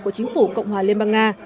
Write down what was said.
của chính phủ cộng hòa liên bang nga